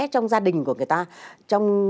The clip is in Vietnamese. trong gia đình của người ta trong